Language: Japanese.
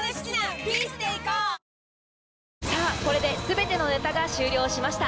さぁこれで全てのネタが終了しました。